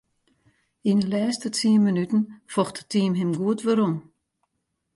Yn 'e lêste tsien minuten focht it team him goed werom.